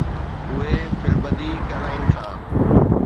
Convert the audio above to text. اهي في البديه ڳالهائين ٿا.